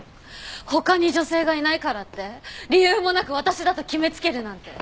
他に女性がいないからって理由もなく私だと決めつけるなんて。